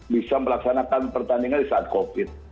bisa melaksanakan pertandingan di saat covid